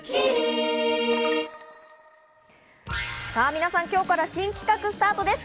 皆さん、今日から新企画スタートです。